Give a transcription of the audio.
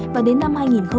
và đến năm hai nghìn ba mươi